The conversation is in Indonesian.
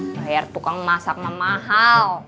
bayar tukang masak mah mahal